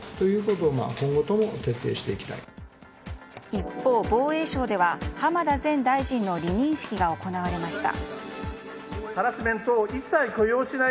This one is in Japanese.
一方、防衛省では浜田前大臣の離任式が行われました。